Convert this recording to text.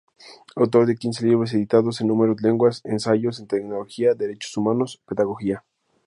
Autor de quince libros editados en numerosas lenguas: ensayos en teología, derechos humanos, pedagogía.